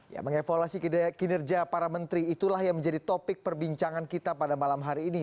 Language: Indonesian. ya mengevaluasi kinerja para menteri itulah yang menjadi topik perbincangan kita pada malam hari ini